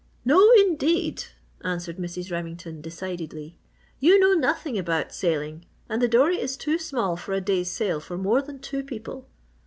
"No indeed!" answered Mrs. Remington, decidedly. "You know nothing about sailing, and the dory is too small for a day's sail for more than two people."